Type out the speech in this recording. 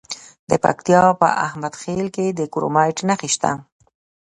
د پکتیا په احمد خیل کې د کرومایټ نښې شته.